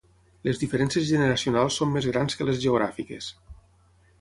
Les diferències generacionals són més grans que les geogràfiques.